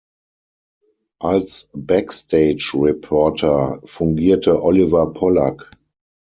Als Backstage-Reporter fungierte Oliver Polak.